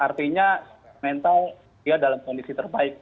artinya mental dia dalam kondisi terbaik